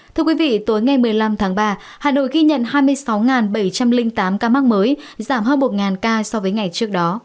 thưa quý vị tối ngày một mươi năm tháng ba hà nội ghi nhận hai mươi sáu bảy trăm linh tám ca mắc mới giảm hơn một ca so với ngày trước đó